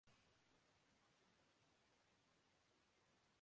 super bike world championship Chaz Davies نے سب کو پیچھے چھوڑ دیا